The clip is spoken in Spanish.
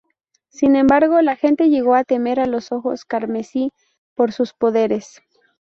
Sin embargo, la gente llegó a temer a los Ojos Carmesí por sus poderes.